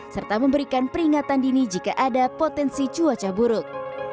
serta memberikan peringatan dini jika ada potensi cuaca buruk